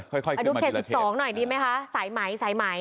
ดูเขต๑๒หน่อยดีไหมคะสายไหม